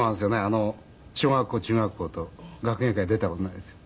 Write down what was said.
小学校中学校と学芸会出た事ないですよ。